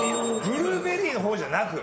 ブルーベリーの方じゃなく？